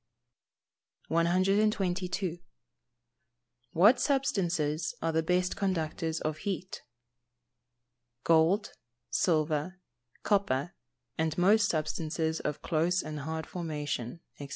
122. What substances are the best conductors of heat? Gold, silver, copper, and most substances of close and hard formation, &c.